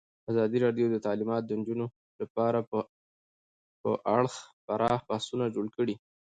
ازادي راډیو د تعلیمات د نجونو لپاره په اړه پراخ بحثونه جوړ کړي.